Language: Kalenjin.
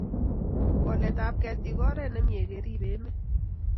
koletap ketik ko oret nemie keribe emet